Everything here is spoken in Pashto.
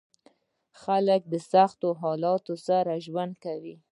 خلک د سختو حالاتو سره ژوند کوي.